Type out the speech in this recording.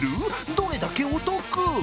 どれだけお得？